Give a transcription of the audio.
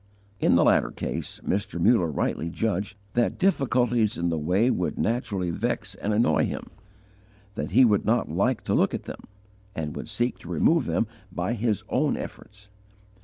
In the latter case, Mr. Muller rightly judged that difficulties in the way would naturally vex and annoy him; that he would not like to look at them, and would seek to remove them by his own efforts.